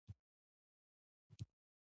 "فاذا اظماننتم فاقیموالصلواته" یې لیکلی دی.